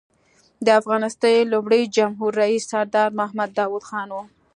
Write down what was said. د افغانستان لومړی جمهور رییس سردار محمد داود خان و.